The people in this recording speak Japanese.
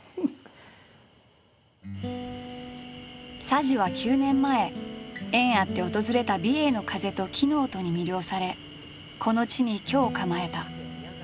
佐治は９年前縁あって訪れた美瑛の風と木の音に魅了されこの地に居を構えた。